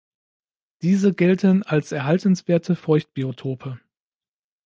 Diese gelten als erhaltenswerte Feuchtbiotope.